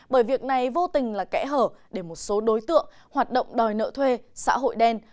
bởi việc này vô tình là kẽ hở để một số đối tượng hoạt động đòi nợ thuê xã hội đen